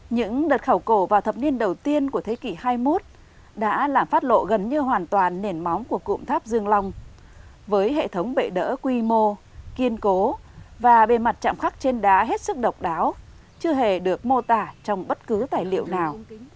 những đợt khảo cổ vào thập niên đầu tiên của thế kỷ hai mươi một đã làm phát lộ gần như hoàn toàn nền móng của cụm tháp dương long với hệ thống bệ đỡ quy mô kiên cố và bề mặt chạm khắc trên đá hết sức độc đáo chưa hề được mô tả trong bất cứ tài liệu nào